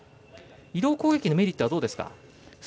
移動攻撃のメリットはどうですか。